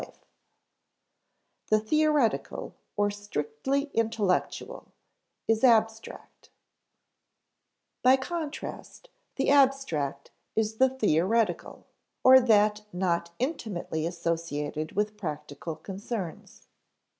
[Sidenote: The theoretical, or strictly intellectual, is abstract] By contrast, the abstract is the theoretical, or that not intimately associated with practical concerns.